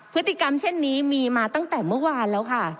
พฤติกรรมเช่นนี้มีมาตั้งแต่เมื่อวานแล้วค่ะ